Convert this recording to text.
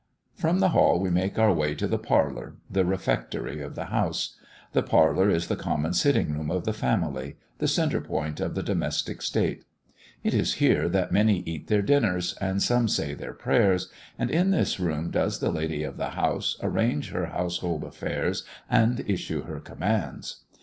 From the hall we make our way to the parlour the refectory of the house. The parlour is the common sitting room of the family, the centre point of the domestic state. It is here that many eat their dinners, and some say their prayers; and in this room does the lady of the house arrange her household affairs and issue her commands.